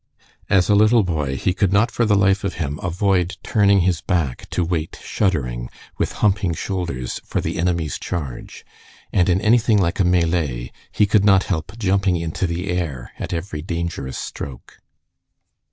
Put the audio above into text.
As a little boy, he could not for the life of him avoid turning his back to wait shuddering, with humping shoulders, for the enemy's charge, and in anything like a melee, he could not help jumping into the air at every dangerous stroke.